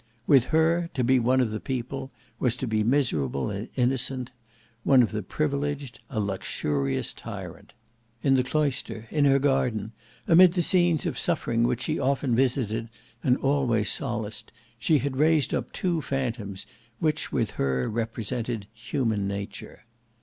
With her, to be one of the people, was to be miserable and innocent; one of the privileged, a luxurious tyrant. In the cloister, in her garden, amid the scenes of suffering which she often visited and always solaced, she had raised up two phantoms which with her represented human nature.